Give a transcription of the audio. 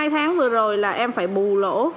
hai tháng vừa rồi là em phải bù lỗ